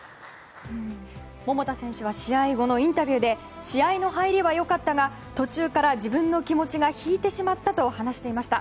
桃田選手は試合後のインタビューで試合の入りはよかったが途中から自分の気持ちが引いてしまったと話していました。